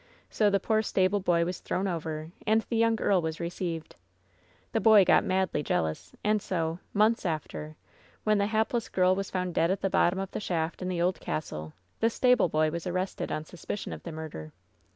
So the poor stable boy was thrown over, and the young earl was received. The boy got madly jealous, and so — ^months after, when the hapless girl was found dead at the bottom of the shaft in the old castle — the stableboy was arrested on suspicion of the murder."